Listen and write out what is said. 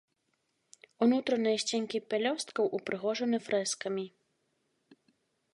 Унутраныя сценкі пялёсткаў ўпрыгожаны фрэскамі.